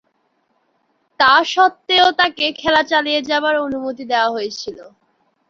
তাস্বত্ত্বেও তাকে খেলা চালিয়ে যাবার অনুমতি দেয়া হয়েছিল।